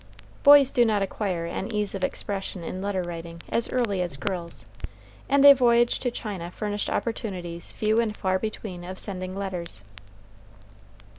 Boys do not acquire an ease of expression in letter writing as early as girls, and a voyage to China furnished opportunities few and far between of sending letters.